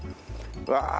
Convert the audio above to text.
うわ！